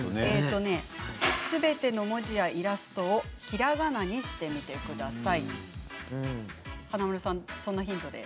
すべての文字やイラストをひらがなにしてみてください。